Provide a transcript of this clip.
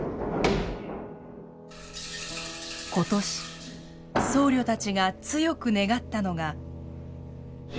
今年僧侶たちが強く願ったのが。